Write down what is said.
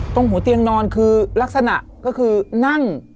ตรงหัวเตียงนอนคือลักษณะก็คือนั่ง